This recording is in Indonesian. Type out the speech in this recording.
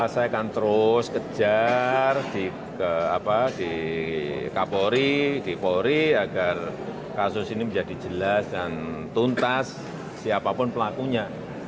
saya akan terus kejar di kapolri di polri agar kasus ini menjadi jelas dan tuntas siapapun pelakunya